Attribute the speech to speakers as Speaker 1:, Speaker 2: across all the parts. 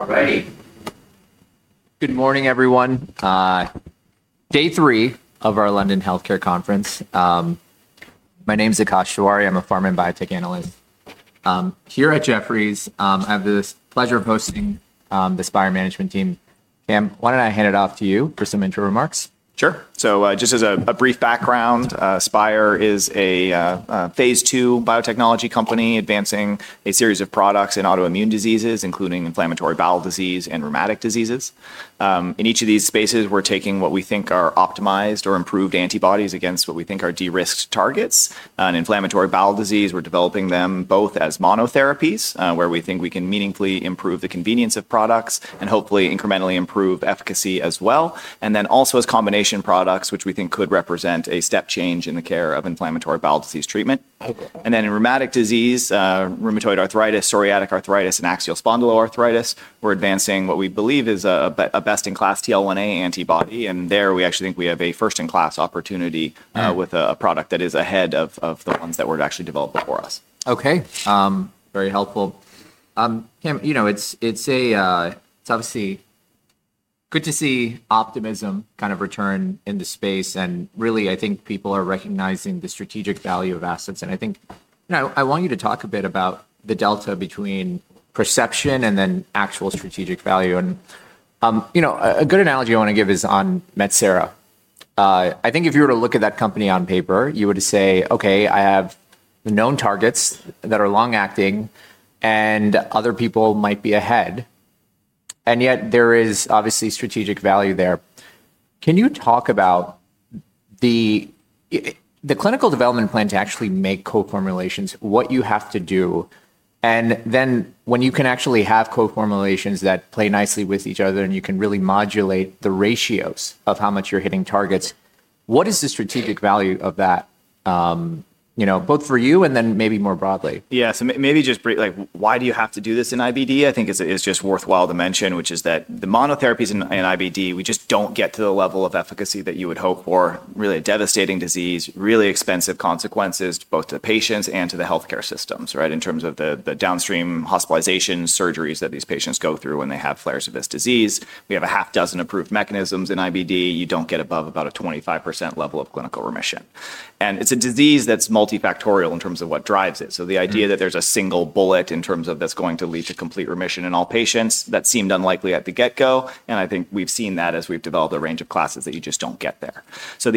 Speaker 1: Good morning, everyone. Day three of ourJefferies London Healthcare Conference. My name's Akash Tewari. I'm a pharma and biotech analyst. Here at Jefferies, I have the pleasure of hosting the Spyre Management team. Cam, why don't I hand it off to you for some intro remarks?
Speaker 2: Sure. Just as a brief background, Spyre is a phase II biotechnology company advancing a series of products in autoimmune diseases, including inflammatory bowel disease and rheumatic diseases. In each of these spaces, we're taking what we think are optimized or improved antibodies against what we think are de-risked targets. In inflammatory bowel disease, we're developing them both as monotherapies, where we think we can meaningfully improve the convenience of products and hopefully incrementally improve efficacy as well. Also as combination products, which we think could represent a step change in the care of inflammatory bowel disease treatment. In rheumatic disease, rheumatoid arthritis, psoriatic arthritis, and axial spondyloarthritis, we're advancing what we believe is a best-in-class TL1A antibody. There, we actually think we have a first-in-class opportunity with a product that is ahead of the ones that were actually developed before us.
Speaker 1: Okay. Very helpful. Cam, it's obviously good to see optimism kind of return in the space. And really I think people are recognizing the strategic value of assets. I think I want you to talk a bit about the delta between perception and then actual strategic value. A good analogy I want to give is on Metsera. I think if you were to look at that company on paper, you would say, "Okay, I have known targets that are long-acting, and other people might be ahead." Yet there is obviously strategic value there. Can you talk about the clinical development plan to actually make co-formulations, what you have to do, and then when you can actually have co-formulations that play nicely with each other and you can really modulate the ratios of how much you're hitting targets, what is the strategic value of that, both for you and then maybe more broadly?
Speaker 2: Yeah. Maybe just briefly, why do you have to do this in IBD? I think it's just worthwhile to mention, which is that the monotherapies in IBD, we just don't get to the level of efficacy that you would hope for. Really a devastating disease, really expensive consequences both to patients and to the healthcare systems, right, in terms of the downstream hospitalizations, surgeries that these patients go through when they have flares of this disease. We have a half dozen approved mechanisms in IBD. You don't get above about a 25% level of clinical remission. It's a disease that's multifactorial in terms of what drives it. The idea that there's a single bullet in terms of that's going to lead to complete remission in all patients, that seemed unlikely at the get-go. I think we've seen that as we've developed a range of classes that you just don't get there.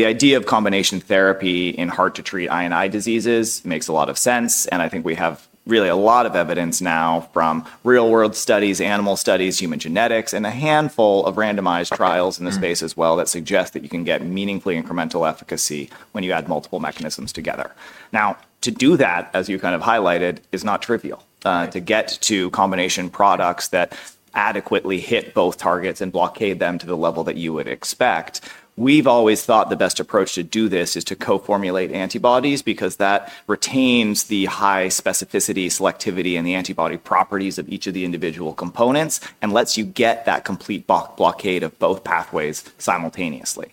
Speaker 2: The idea of combination therapy in hard-to-treat I&I diseases makes a lot of sense. I think we have really a lot of evidence now from real-world studies, animal studies, human genetics, and a handful of randomized trials in the space as well that suggest that you can get meaningfully incremental efficacy when you add multiple mechanisms together. Now, to do that, as you kind of highlighted, is not trivial. To get to combination products that adequately hit both targets and blockade them to the level that you would expect, we've always thought the best approach to do this is to co-formulate antibodies because that retains the high specificity, selectivity, and the antibody properties of each of the individual components and lets you get that complete blockade of both pathways simultaneously.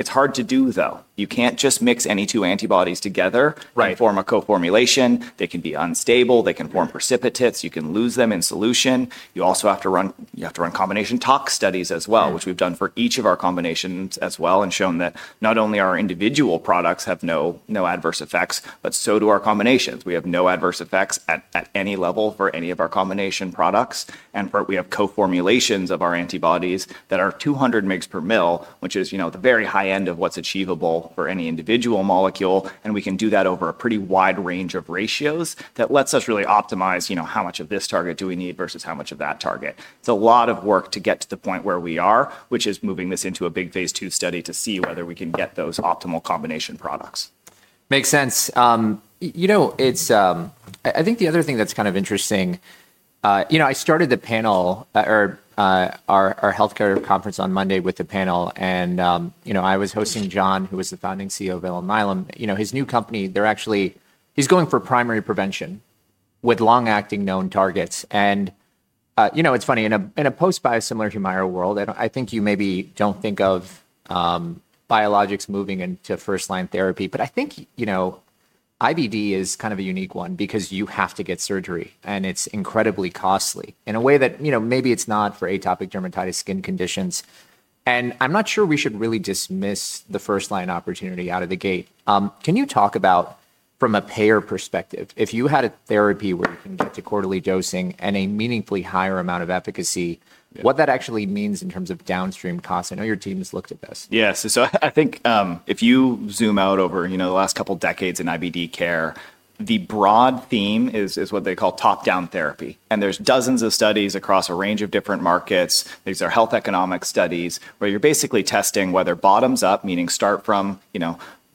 Speaker 2: It's hard to do, though. You can't just mix any two antibodies together and form a co-formulation. They can be unstable. They can form precipitates. You can lose them in solution. You also have to run combination tox studies as well, which we've done for each of our combinations as well and shown that not only our individual products have no adverse effects, but so do our combinations. We have no adverse effects at any level for any of our combination products. We have co-formulations of our antibodies that are 200 mg per ml, which is the very high end of what is achievable for any individual molecule. We can do that over a pretty wide range of ratios that lets us really optimize how much of this target we need versus how much of that target. It is a lot of work to get to the point where we are, which is moving this into a big phase II study to see whether we can get those optimal combination products.
Speaker 1: Makes sense. I think the other thing that's kind of interesting, I started the panel, our healthcare conference on Monday with the panel, and I was hosting John, who was the founding CEO of Alnylam. His new company, they're actually he's going for primary prevention with long-acting known targets. It's funny, in a post-biosimilar HUMIRA world, I think you maybe don't think of biologics moving into first-line therapy. I think IBD is kind of a unique one because you have to get surgery, and it's incredibly costly in a way that maybe it's not for atopic dermatitis, skin conditions. I'm not sure we should really dismiss the first-line opportunity out of the gate. Can you talk about, from a payer perspective, if you had a therapy where you can get to quarterly dosing and a meaningfully higher amount of efficacy, what that actually means in terms of downstream costs? I know your team has looked at this.
Speaker 2: Yeah. I think if you zoom out over the last couple of decades in IBD care, the broad theme is what they call top-down therapy. There are dozens of studies across a range of different markets. These are health economics studies where you're basically testing whether bottoms up, meaning start from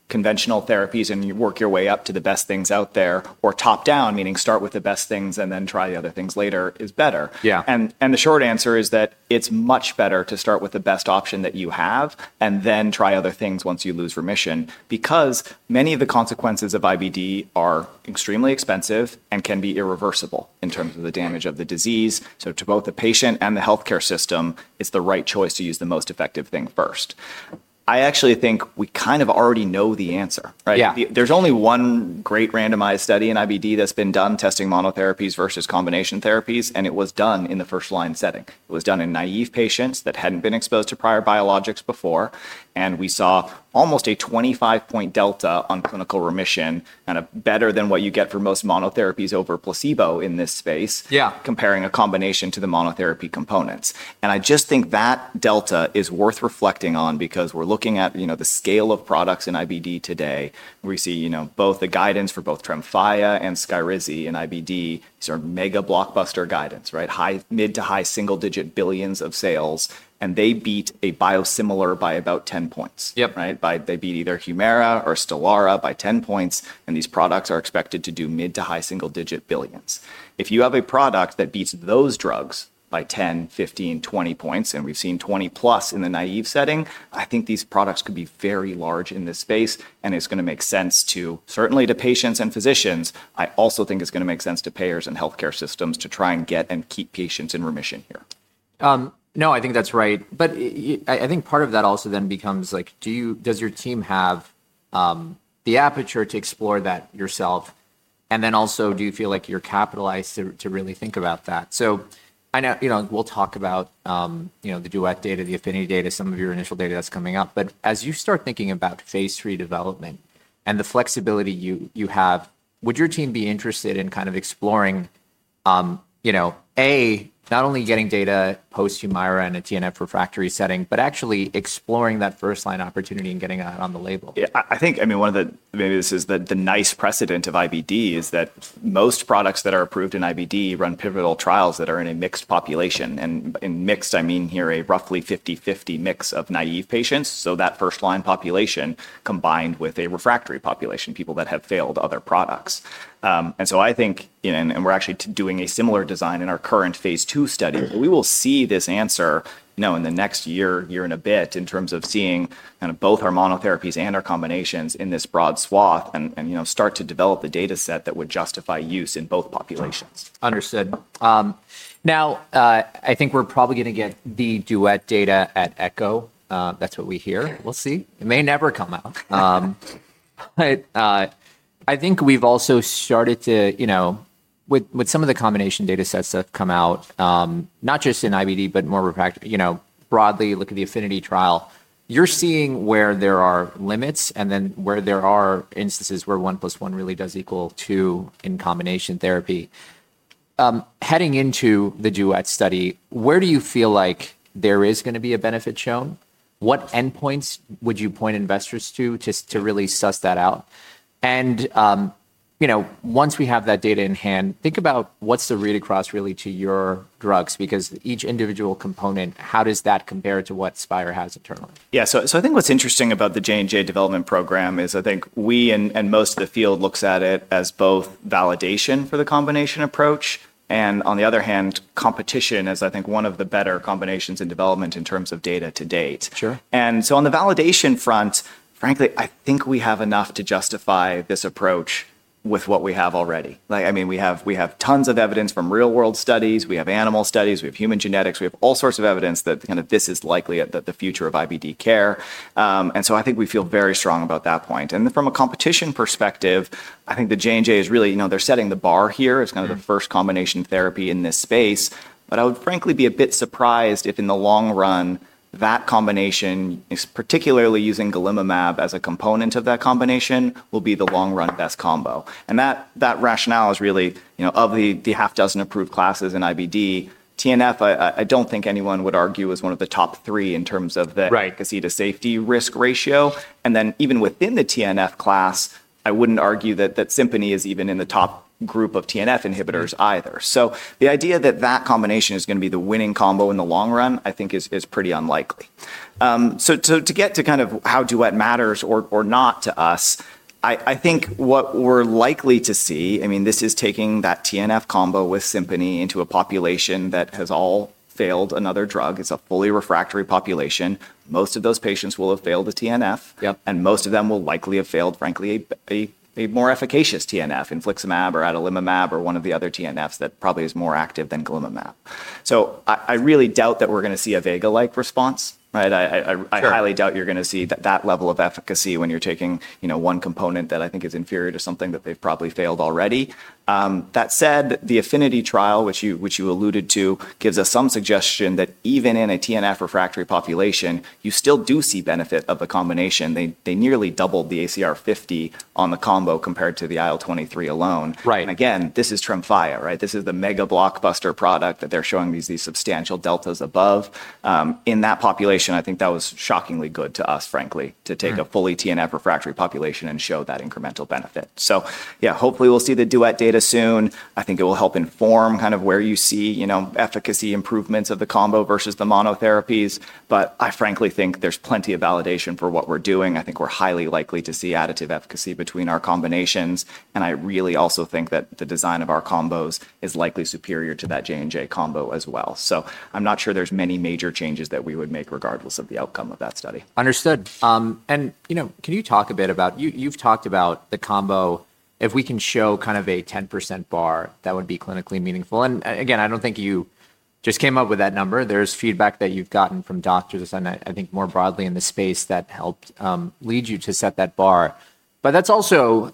Speaker 2: conventional therapies and work your way up to the best things out there, or top-down, meaning start with the best things and then try the other things later, is better. And the short answer is that it's much better to start with the best option that you have and then try other things once you lose remission because many of the consequences of IBD are extremely expensive and can be irreversible in terms of the damage of the disease. To both the patient and the healthcare system, it's the right choice to use the most effective thing first. I actually think we kind of already know the answer, right? There's only one great randomized study in IBD that's been done testing monotherapies versus combination therapies, and it was done in the first-line setting. It was done in naive patients that hadn't been exposed to prior biologics before. We saw almost a 25-point delta on clinical remission, kind of better than what you get for most monotherapies over placebo in this space, comparing a combination to the monotherapy components. I just think that delta is worth reflecting on because we're looking at the scale of products in IBD today. We see both the guidance for both TREMFYA and SKYRIZI in IBD, sort of mega blockbuster guidance, right? High, mid to high single-digit billions of sales. They beat a biosimilar by about 10 points, right? They beat either HUMIRA or STELARA by 10 points. These products are expected to do mid- to high single-digit billions. If you have a product that beats those drugs by 10, 15, 20 points, and we've seen 20-plus in the naive setting, I think these products could be very large in this space. It is going to make sense certainly to patients and physicians. I also think it is going to make sense to payers and healthcare systems to try and get and keep patients in remission here.
Speaker 1: No, I think that's right. I think part of that also then becomes like, does your team have the aperture to explore that yourself? And then also, do you feel like you're capitalized to really think about that? I know we'll talk about the DUET data, the AFFINITY data, some of your initial data that's coming up. As you start thinking about phase III development and the flexibility you have, would your team be interested in kind of exploring, A, not only getting data post-HUMIRA in a TNF refractory setting, but actually exploring that first-line opportunity and getting that on the label?
Speaker 2: Yeah. I think, I mean, one of the maybe this is the nice precedent of IBD is that most products that are approved in IBD run pivotal trials that are in a mixed population. In mixed, I mean here a roughly 50-50 mix of naive patients, so that first-line population combined with a refractory population, people that have failed other products. I think, and we're actually doing a similar design in our current phase II study, but we will see this answer in the next year, year and a bit in terms of seeing kind of both our monotherapies and our combinations in this broad swath and start to develop the data set that would justify use in both populations.
Speaker 1: Understood. Now, I think we're probably going to get the DUET data at ECHO. That's what we hear. We'll see. It may never come out. I think we've also started to, with some of the combination data sets that have come out, not just in IBD, but more broadly, look at the AFFINITY trial, you're seeing where there are limits and then where there are instances where 1+1 really does equal 2 in combination therapy. Heading into the DUET study, where do you feel like there is going to be a benefit shown? What endpoints would you point investors to to really suss that out? Once we have that data in hand, think about what's the read across really to your drugs because each individual component, how does that compare to what Spyre has internally?
Speaker 2: Yeah. I think what's interesting about the J&J development program is I think we and most of the field look at it as both validation for the combination approach and, on the other hand, competition as I think one of the better combinations in development in terms of data to date. On the validation front, frankly, I think we have enough to justify this approach with what we have already. I mean, we have tons of evidence from real-world studies. We have animal studies. We have human genetics. We have all sorts of evidence that kind of this is likely the future of IBD care. I think we feel very strong about that point. From a competition perspective, I think the J&J is really, they're setting the bar here as kind of the first combination therapy in this space. I would frankly be a bit surprised if in the long run, that combination, particularly using golimumab as a component of that combination, will be the long-run best combo. That rationale is really of the half dozen approved classes in IBD, TNF, I do not think anyone would argue is one of the top three in terms of the casita safety risk ratio. Even within the TNF class, I would not argue that SIMPONI is even in the top group of TNF inhibitors either. The idea that that combination is going to be the winning combo in the long run, I think is pretty unlikely. To get to kind of how DUET matters or not to us, I think what we are likely to see, I mean, this is taking that TNF combo with SIMPONI into a population that has all failed another drug. It's a fully refractory population. Most of those patients will have failed a TNF. Most of them will likely have failed, frankly, a more efficacious TNF, infliximab or adalimumab or one of the other TNFs that probably is more active than golimumab. I really doubt that we're going to see a VEGA-like response, right? I highly doubt you're going to see that level of efficacy when you're taking one component that I think is inferior to something that they've probably failed already. That said, the AFFINITY trial, which you alluded to, gives us some suggestion that even in a TNF-refractory population, you still do see benefit of the combination. They nearly doubled the ACR 50 on the combo compared to the IL-23 alone. Again, this is TREMFYA, right? This is the mega blockbuster product that they're showing these substantial deltas above. In that population, I think that was shockingly good to us, frankly, to take a fully TNF refractory population and show that incremental benefit. Yeah, hopefully we'll see the DUET data soon. I think it will help inform kind of where you see efficacy improvements of the combo versus the monotherapies. I frankly think there's plenty of validation for what we're doing. I think we're highly likely to see additive efficacy between our combinations. I really also think that the design of our combos is likely superior to that J&J combo as well. I'm not sure there's many major changes that we would make regardless of the outcome of that study.
Speaker 1: Understood. Can you talk a bit about, you have talked about the combo, if we can show kind of a 10% bar, that would be clinically meaningful. I do not think you just came up with that number. There is feedback that you have gotten from doctors and I think more broadly in the space that helped lead you to set that bar. That is also,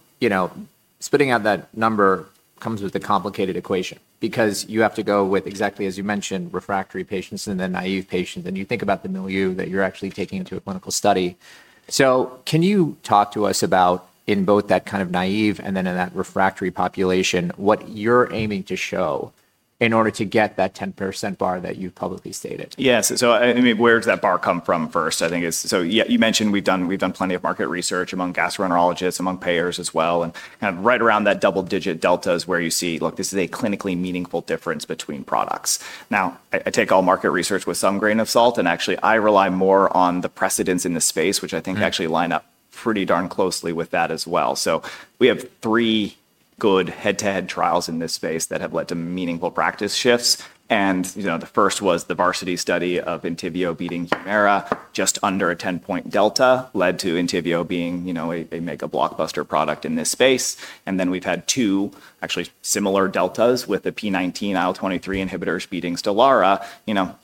Speaker 1: spitting out that number comes with a complicated equation because you have to go with exactly, as you mentioned, refractory patients and then naive patients. You think about the milieu that you are actually taking into a clinical study. So can you talk to us about, in both that kind of naive and then in that refractory population, what you are aiming to show in order to get that 10% bar that you have publicly stated?
Speaker 2: Yes. I mean, where does that bar come from first? I think it's, you mentioned we've done plenty of market research among gastroenterologists, among payers as well. Kind of right around that double-digit delta is where you see, look, this is a clinically meaningful difference between products. Now, I take all market research with some grain of salt. Actually, I rely more on the precedents in the space, which I think actually line up pretty darn closely with that as well. We have three good head-to-head trials in this space that have led to meaningful practice shifts. The first was the VARSITY study of ENTYVIObeating HUMIRA, just under a 10-point delta led to ENTYVIO being a mega blockbuster product in this space. We have had two actually similar deltas with the P19 IL-23 inhibitors beating STELARA,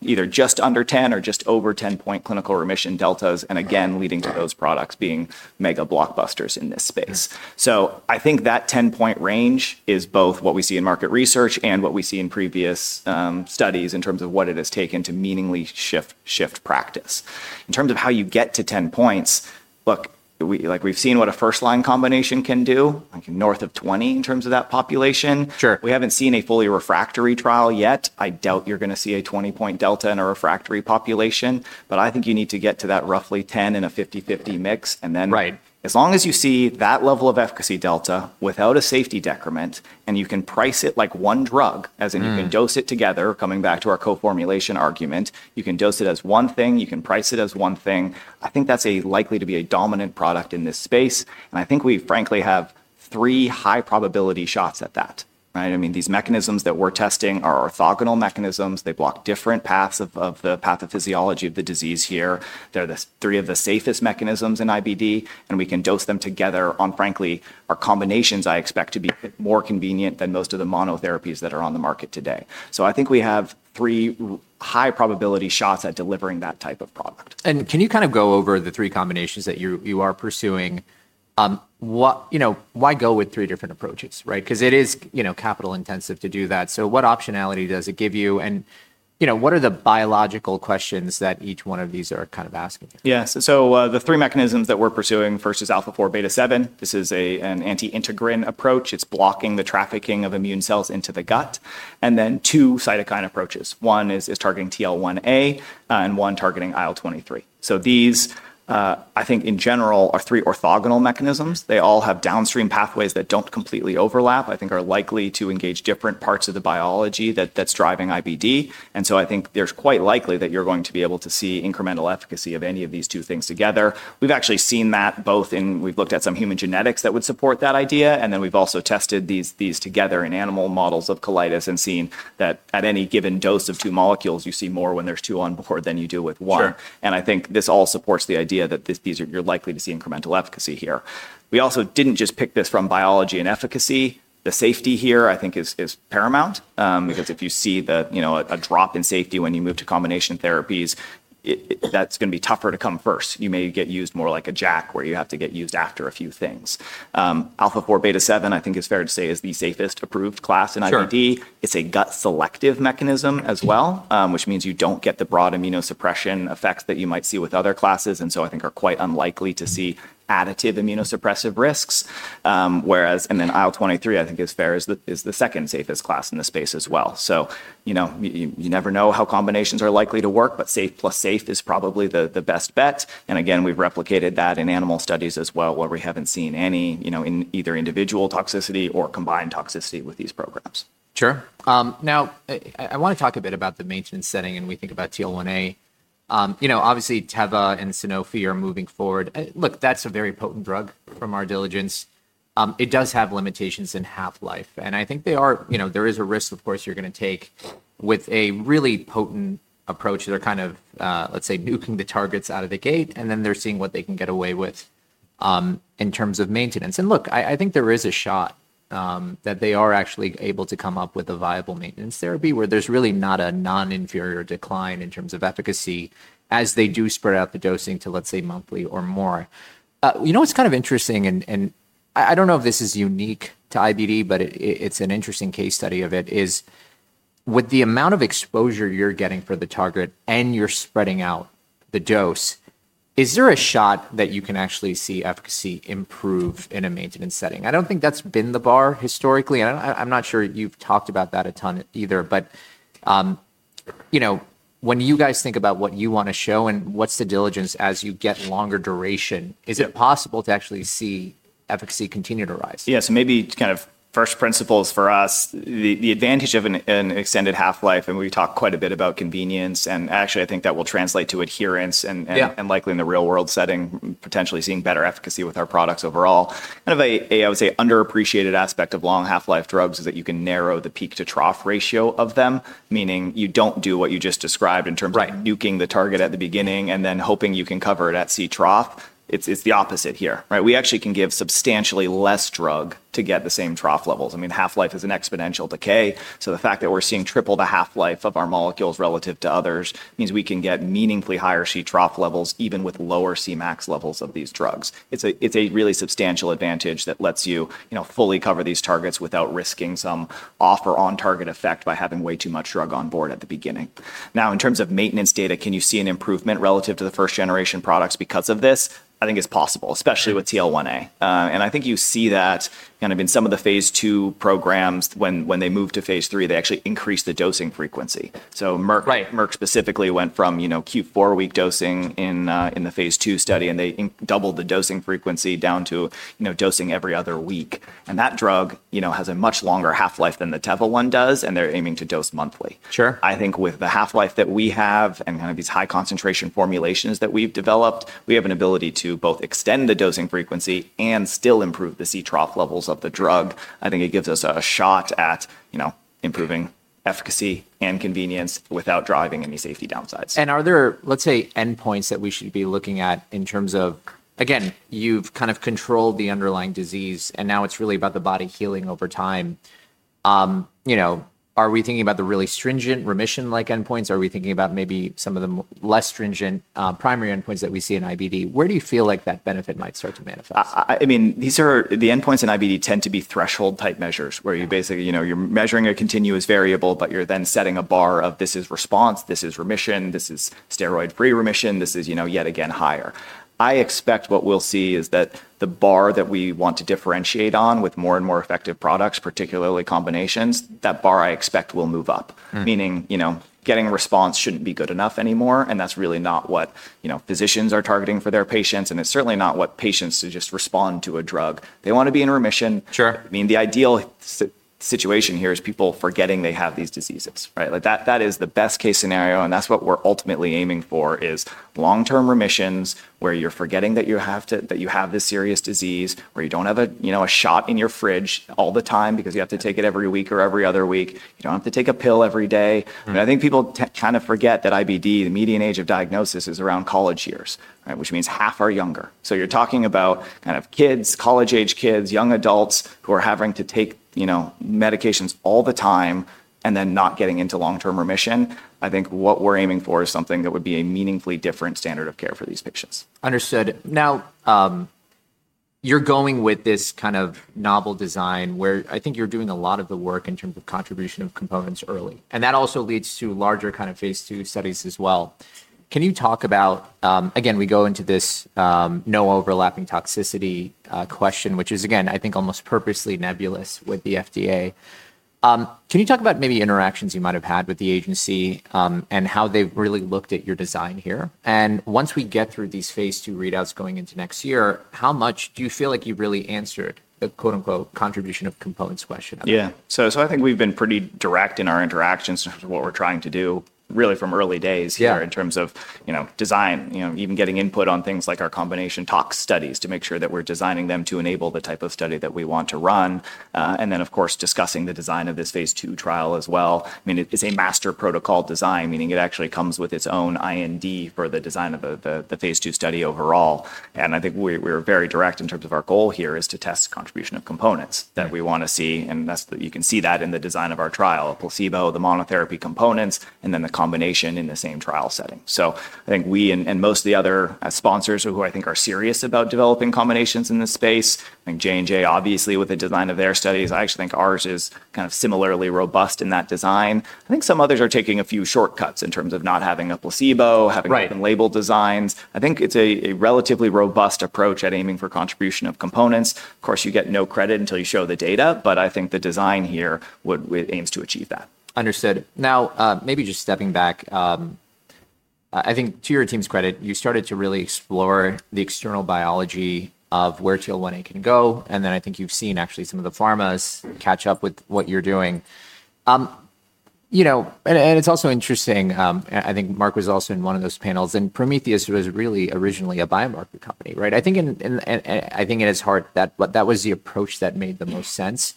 Speaker 2: either just under 10 or just over 10-point clinical remission deltas, and again, leading to those products being mega blockbusters in this space. I think that 10-point range is both what we see in market research and what we see in previous studies in terms of what it has taken to meaningfully shift practice. In terms of how you get to 10 points, look, we have seen what a first-line combination can do, like north of 20 in terms of that population. We have not seen a fully refractory trial yet. I doubt you are going to see a 20-point delta in a refractory population. I think you need to get to that roughly 10 in a 50/50 mix. As long as you see that level of efficacy delta without a safety decrement, and you can price it like one drug, as in you can dose it together, coming back to our co-formulation argument, you can dose it as one thing, you can price it as one thing, I think that's likely to be a dominant product in this space. I think we frankly have three high-probability shots at that, right? I mean, these mechanisms that we're testing are orthogonal mechanisms. They block different paths of the pathophysiology of the disease here. They're three of the safest mechanisms in IBD. We can dose them together on, frankly, our combinations I expect to be more convenient than most of the monotherapies that are on the market today. I think we have three high-probability shots at delivering that type of product.
Speaker 1: Can you kind of go over the three combinations that you are pursuing? Why go with three different approaches, right? Because it is capital-intensive to do that. What optionality does it give you? What are the biological questions that each one of these are kind of asking?
Speaker 2: So, the three mechanisms that we're pursuing first is Alpha-4 beta-7. This is an anti-integrin approach. It's blocking the trafficking of immune cells into the gut. Then two cytokine approaches. One is targeting TL1A and one targeting IL-23. These, I think in general, are three orthogonal mechanisms. They all have downstream pathways that do not completely overlap, I think are likely to engage different parts of the biology that's driving IBD. I think there's quite likely that you're going to be able to see incremental efficacy of any of these two things together. We've actually seen that both in, we've looked at some human genetics that would support that idea. We've also tested these together in animal models of colitis and seen that at any given dose of two molecules, you see more when there's two on board than you do with one. I think this all supports the idea that you're likely to see incremental efficacy here. We also didn't just pick this from biology and efficacy. The safety here, I think, is paramount because if you see a drop in safety when you move to combination therapies, that's going to be tougher to come first. You may get used more like a JAK where you have to get used after a few things. Alpha-4 beta-7, I think it's fair to say, is the safest approved class in IBD. It's a gut selective mechanism as well, which means you don't get the broad immunosuppression effects that you might see with other classes. I think you are quite unlikely to see additive immunosuppressive risks. Whereas, and then IL-23, I think it's fair, is the second safest class in the space as well. You never know how combinations are likely to work, but safe plus safe is probably the best bet. Again, we've replicated that in animal studies as well where we haven't seen any either individual toxicity or combined toxicity with these programs.
Speaker 1: Sure. Now, I want to talk a bit about the maintenance setting and we think about TL1A. Obviously, Teva and Sanofi are moving forward. Look, that's a very potent drug from our diligence. It does have limitations in half-life. I think there is a risk, of course, you're going to take with a really potent approach. They're kind of, let's say, nuking the targets out of the gate, and then they're seeing what they can get away with in terms of maintenance. I think there is a shot that they are actually able to come up with a viable maintenance therapy where there's really not a non-inferior decline in terms of efficacy as they do spread out the dosing to, let's say, monthly or more. You know what's kind of interesting, and I don't know if this is unique to IBD, but it's an interesting case study of it, is with the amount of exposure you're getting for the target and you're spreading out the dose, is there a shot that you can actually see efficacy improve in a maintenance setting? I don't think that's been the bar historically. I'm not sure you've talked about that a ton either. When you guys think about what you want to show and what's the diligence as you get longer duration, is it possible to actually see efficacy continue to rise?
Speaker 2: Yes. Maybe kind of first principles for us, the advantage of an extended half-life, and we talk quite a bit about convenience. Actually, I think that will translate to adherence and likely in the real-world setting, potentially seeing better efficacy with our products overall. Kind of a, I would say, underappreciated aspect of long-half-life drugs is that you can narrow the peak-to-trough ratio of them, meaning you do not do what you just described in terms of nuking the target at the beginning and then hoping you can cover it at C-trough. It is the opposite here, right? We actually can give substantially less drug to get the same trough levels. I mean, half-life is an exponential decay. The fact that we are seeing triple the half-life of our molecules relative to others means we can get meaningfully higher C-trough levels even with lower Cmax levels of these drugs. It's a really substantial advantage that lets you fully cover these targets without risking some off or on-target effect by having way too much drug on board at the beginning. Now, in terms of maintenance data, can you see an improvement relative to the first-generation products because of this? I think it's possible, especially with TL1A. I think you see that kind of in some of the phase II programs when they move to phase III, they actually increase the dosing frequency. Merck specifically went from Q4 week dosing in the phase II study, and they doubled the dosing frequency down to dosing every other week. That drug has a much longer half-life than the Teva one does, and they're aiming to dose monthly. I think with the half-life that we have and kind of these high-concentration formulations that we've developed, we have an ability to both extend the dosing frequency and still improve the C-trough levels of the drug. I think it gives us a shot at improving efficacy and convenience without driving any safety downsides.
Speaker 1: Are there, let's say, endpoints that we should be looking at in terms of, again, you've kind of controlled the underlying disease, and now it's really about the body healing over time? Are we thinking about the really stringent remission-like endpoints? Are we thinking about maybe some of the less stringent primary endpoints that we see in IBD? Where do you feel like that benefit might start to manifest?
Speaker 2: I mean, the endpoints in IBD tend to be threshold-type measures where you basically, you're measuring a continuous variable, but you're then setting a bar of this is response, this is remission, this is steroid-free remission, this is yet again higher. I expect what we'll see is that the bar that we want to differentiate on with more and more effective products, particularly combinations, that bar I expect will move up, meaning getting a response shouldn't be good enough anymore. That's really not what physicians are targeting for their patients. It's certainly not what patients to just respond to a drug. They want to be in remission. I mean, the ideal situation here is people forgetting they have these diseases, right? That is the best-case scenario. That is what we're ultimately aiming for is long-term remissions where you're forgetting that you have this serious disease, where you don't have a shot in your fridge all the time because you have to take it every week or every other week. You don't have to take a pill every day. I think people kind of forget that IBD, the median age of diagnosis, is around college years, which means half are younger. You are talking about kind of kids, college-age kids, young adults who are having to take medications all the time and then not getting into long-term remission. I think what we're aiming for is something that would be a meaningfully different standard of care for these patients.
Speaker 1: Understood. Now, you're going with this kind of novel design where I think you're doing a lot of the work in terms of contribution of components early. That also leads to larger kind of phase II studies as well. Can you talk about, again, we go into this no overlapping toxicity question, which is, again, I think almost purposely nebulous with the FDA. Can you talk about maybe interactions you might have had with the agency and how they've really looked at your design here? Once we get through these phase II readouts going into next year, how much do you feel like you've really answered the "contribution of components" question?
Speaker 2: Yeah. I think we've been pretty direct in our interactions in terms of what we're trying to do really from early days here in terms of design, even getting input on things like our combination talk studies to make sure that we're designing them to enable the type of study that we want to run. Of course, discussing the design of this phase II trial as well. I mean, it's a master protocol design, meaning it actually comes with its own IND for the design of the phase II study overall. I think we're very direct in terms of our goal here is to test contribution of components that we want to see. You can see that in the design of our trial, a placebo, the monotherapy components, and then the combination in the same trial setting. I think we and most of the other sponsors who I think are serious about developing combinations in this space, I think J&J obviously with the design of their studies, I actually think ours is kind of similarly robust in that design. I think some others are taking a few shortcuts in terms of not having a placebo, having open-label designs. I think it's a relatively robust approach at aiming for contribution of components. Of course, you get no credit until you show the data, but I think the design here aims to achieve that.
Speaker 1: Understood. Now, maybe just stepping back, I think to your team's credit, you started to really explore the external biology of where TL1A can go. I think you've seen actually some of the pharmas catch up with what you're doing. It is also interesting, I think Merck was also in one of those panels, and Prometheus was really originally a biomarker company, right? I think in its heart, that was the approach that made the most sense.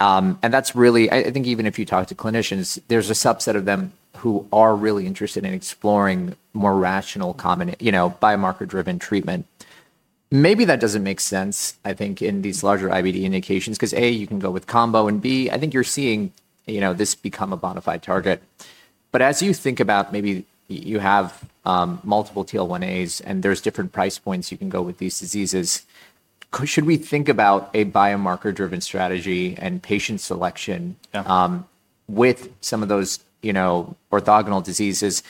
Speaker 1: That is really, I think even if you talk to clinicians, there's a subset of them who are really interested in exploring more rational biomarker-driven treatment. Maybe that doesn't make sense, I think, in these larger IBD indications because A, you can go with combo, and B, I think you're seeing this become a bona fide target. As you think about maybe you have multiple TL1As and there's different price points you can go with these diseases, should we think about a biomarker-driven strategy and patient selection with some of those orthogonal diseases?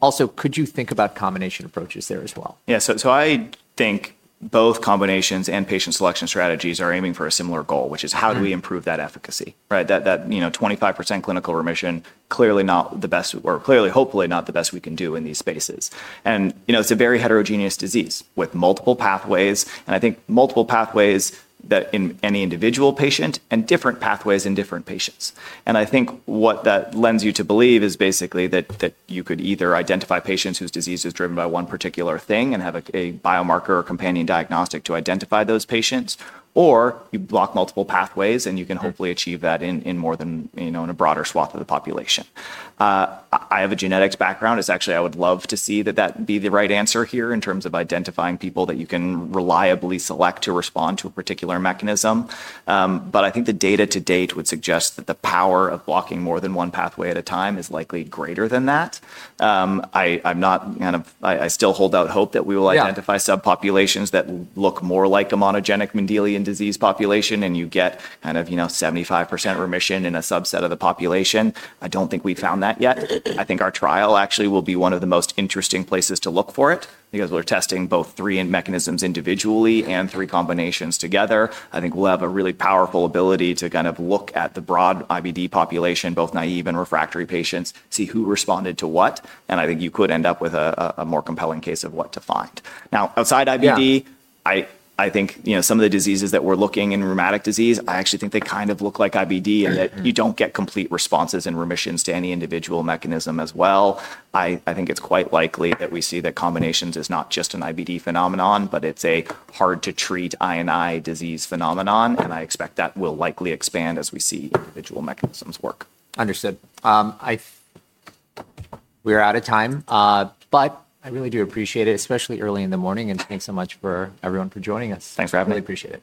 Speaker 1: Also, could you think about combination approaches there as well?
Speaker 2: Yeah. I think both combinations and patient selection strategies are aiming for a similar goal, which is how do we improve that efficacy, right? That 25% clinical remission, clearly not the best, or clearly hopefully not the best we can do in these spaces. It is a very heterogeneous disease with multiple pathways. I think multiple pathways that in any individual patient and different pathways in different patients. I think what that lends you to believe is basically that you could either identify patients whose disease is driven by one particular thing and have a biomarker or companion diagnostic to identify those patients, or you block multiple pathways and you can hopefully achieve that in more than a broader swath of the population. I have a genetics background. It's actually, I would love to see that be the right answer here in terms of identifying people that you can reliably select to respond to a particular mechanism. I think the data to date would suggest that the power of blocking more than one pathway at a time is likely greater than that. I still hold out hope that we will identify subpopulations that look more like a monogenic Mendelian disease population and you get kind of 75% remission in a subset of the population. I do not think we have found that yet. I think our trial actually will be one of the most interesting places to look for it because we are testing both three mechanisms individually and three combinations together. I think we will have a really powerful ability to kind of look at the broad IBD population, both naive and refractory patients, see who responded to what. I think you could end up with a more compelling case of what to find. Now, outside IBD, I think some of the diseases that we're looking in rheumatic disease, I actually think they kind of look like IBD in that you don't get complete responses and remissions to any individual mechanism as well. I think it's quite likely that we see that combinations is not just an IBD phenomenon, but it's a hard-to-treat I&I disease phenomenon. I expect that will likely expand as we see individual mechanisms work.
Speaker 1: Understood. We're out of time, but I really do appreciate it, especially early in the morning. Thanks so much for everyone for joining us.
Speaker 2: Thanks for having me.
Speaker 1: I really appreciate it.